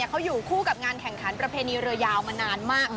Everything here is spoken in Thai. เขาอยู่คู่กับงานแข่งขันประเพณีเรือยาวมานานมาก